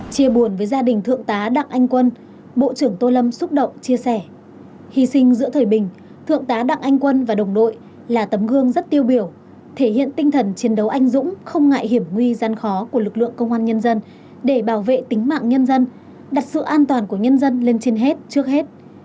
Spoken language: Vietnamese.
chia buồn với gia đình thượng tá đặng anh quân bộ trưởng tô lâm xúc động chia sẻ hy sinh giữa thời bình thượng tá đặng anh quân và đồng đội là tấm gương rất tiêu biểu thể hiện tinh thần chiến đấu anh dũng không ngại hiểm nguy gian khó của lực lượng công an nhân dân để bảo vệ tính mạng nhân dân đặt sự an toàn của nhân dân lên trên hết trước hết